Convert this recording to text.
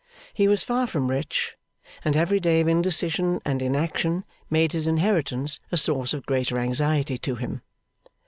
He was far from rich, and every day of indecision and inaction made his inheritance a source of greater anxiety to him.